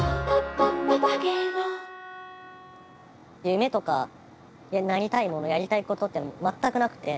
夢とかなりたいものやりたいことって全くなくて。